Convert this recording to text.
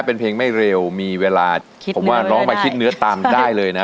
เป็นเพลงไม่เร็วมีเวลาผมว่าน้องมาคิดเนื้อตามได้เลยนะ